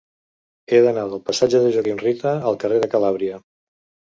He d'anar del passatge de Joaquim Rita al carrer de Calàbria.